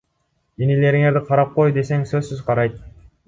Инилериңди карап кой десең сөзсүз карайт.